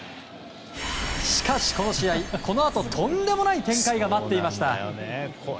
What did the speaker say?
しかしこの試合、このあととんでもない展開が待っていました。